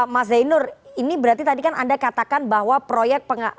mas zainur ini berarti tadi kan anda katakan bahwa proyek pengadaan